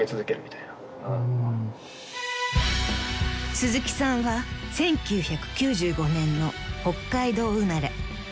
［鈴木さんは１９９５年の北海道生まれ］